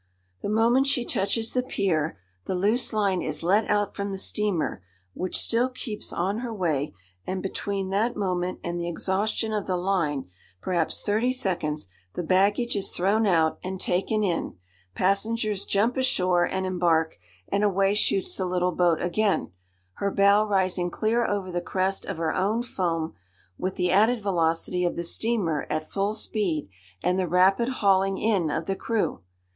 The moment she touches the pier, the loose line is let out from the steamer, which still keeps on her way, and between that moment and the exhaustion of the line, perhaps thirty seconds, the baggage is thrown out, and taken in, passengers jump ashore, and embark, and away shoots the little boat again, her bow rising clear over the crest of her own foam, with the added velocity of the steamer at full speed, and the rapid hauling in of the crew.